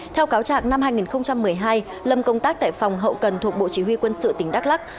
theo cáo trạng năm hai nghìn một mươi hai lâm công tác tại phòng hậu cần thuộc bộ chỉ huy quân sự tỉnh đắk lắc